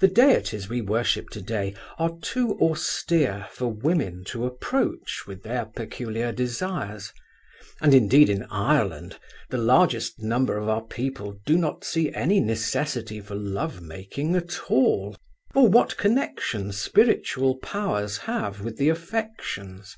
The deities we worship today are too austere for women to approach with their peculiar desires, and indeed in Ireland the largest number of our people do not see any necessity for love making at all, or what connection spiritual powers have with the affections.